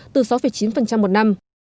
từ sáu chín một năm